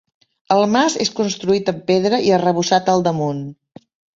El mas és construït amb pedra i arrebossat al damunt.